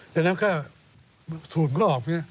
ฉะนั้นก็สูญก็ออก